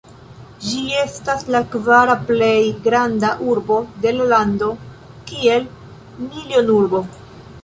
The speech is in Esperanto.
Ĝi estas la kvara plej granda urbo de la lando, kiel milionurbo.